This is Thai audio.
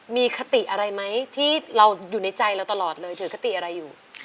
มีคติอะไรไหมที่เราอยู่ในใจเราตลอดเลยถือคติอะไรอยู่